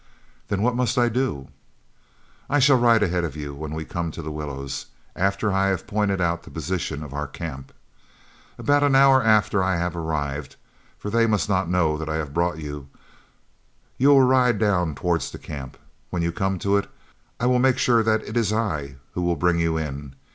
"Then what must I do?" "I shall ride ahead of you when we come to the willows, after I have pointed out the position of our camp. About an hour after I have arrived, for they must not know that I have brought you, you will ride down towards the camp. When you come to it I will make sure that it is I who will bring you in.